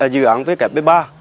dự án với cái bê ba